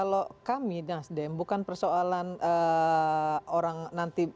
kalau kami nasdem bukan persoalan orang nanti